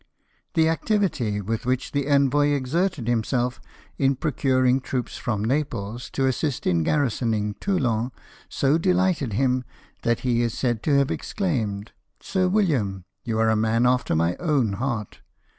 The activity with which the envoy exerted himself in procuring troops from Naples to assist in garrisoning Toulon so delighted him that he is said to have exclaimed :" Sir William, you are a man after my own heart